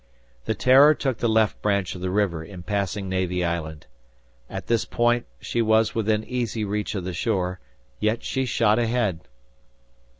The "Terror" took the left branch of the river in passing Navy Island. At this point, she was within easy reach of the shore, yet she shot ahead.